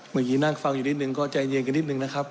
เมื่อกี้นั่งฟังอยู่นิดนึงก็ใจเย็นกันนิดนึงนะครับ